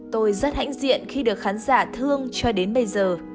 tôi rất hãnh diện khi được khán giả thương cho đến bây giờ